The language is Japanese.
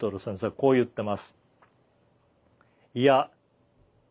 こう言ってます。